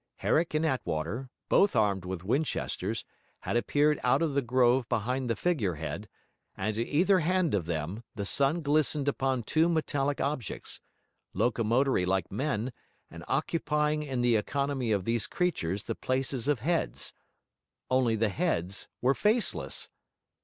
Herrick and Attwater, both armed with Winchesters, had appeared out of the grove behind the figure head; and to either hand of them, the sun glistened upon two metallic objects, locomotory like men, and occupying in the economy of these creatures the places of heads only the heads were faceless.